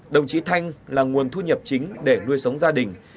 đồng chí thanh là nguồn thu nhập chính để nuôi sống gia đình